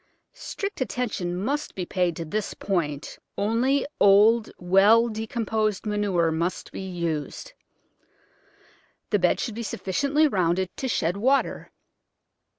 Strict attention must be paid to this point— only old, well decomposed manure must be used. The bed should be sufficiently rounded to shed water.